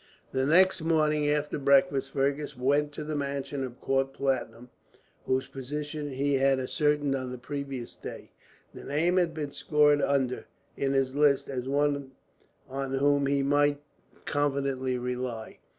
The next morning, after breakfast, Fergus went to the mansion of Count Platurn, whose position he had ascertained on the previous day. The name had been scored under, in his list, as one on whom he might confidently rely.